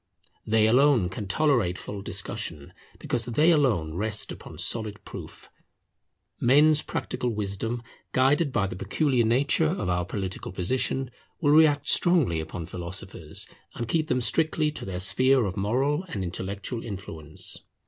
They alone can tolerate full discussion, because they alone rest upon solid proof. Men's practical wisdom, guided by the peculiar nature of our political position, will react strongly upon philosophers, and keep them strictly to their sphere of moral and intellectual influence.